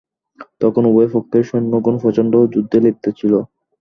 তখন উভয় পক্ষের সৈন্যগণ প্রচণ্ড যুদ্ধে লিপ্ত ছিল।